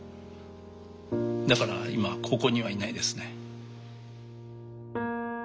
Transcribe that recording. だから今ここにはいないですね。